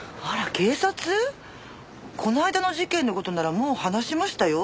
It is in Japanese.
この間の事件の事ならもう話しましたよ。